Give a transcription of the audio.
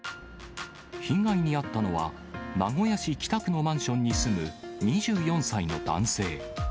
被害に遭ったのは、名古屋市北区のマンションに住む、２４歳の男性。